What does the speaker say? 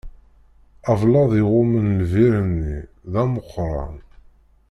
Ablaḍ iɣummen lbir-nni, d ameqran.